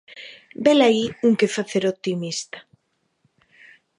Velaí un quefacer optimista.